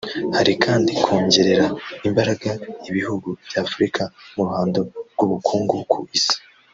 Hari kandi kongerera imbaraga ibihugu by’Afurika mu ruhando rw’ubukungu ku Isi